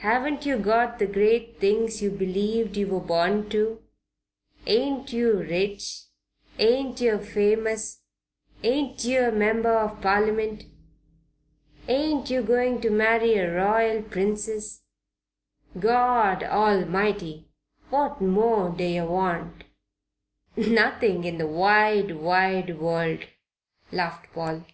"Haven't yer got the great things yer believed yer were born to? Ain't yer rich? Ain't yer famous? Ain't yer a Member of Parliament? Ain't yer going to marry a Royal Princess? Good God Almighty! what more d'yer want?" "Nothing in the wide, wide world!" laughed Paul.